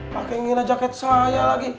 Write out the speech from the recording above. pakai ngira jaket saya lagi